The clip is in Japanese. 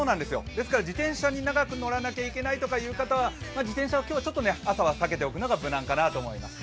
ですから自転車に長く乗らなきゃいけないという方は自転車は今日ちょっと朝は避けておくのが無難かなと思います。